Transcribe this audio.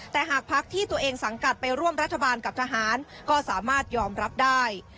แต่หากพักที่ตัวเองสังกัดไปร่วมรัฐบาลกับทหารก็สามารถยอมรับได้